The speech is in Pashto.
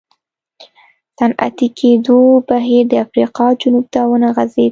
صنعتي کېدو بهیر د افریقا جنوب ته ونه غځېد.